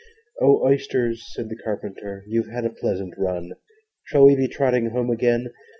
'O Oysters,' said the Carpenter, 'You've had a pleasant run! Shall we be trotting home again?'